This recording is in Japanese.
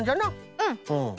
うん。